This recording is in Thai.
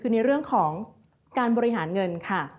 ๑ในเรื่องของการบริหารเงิน